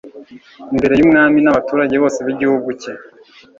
imbere y'umwami n'abaturage bose b'igihugu cye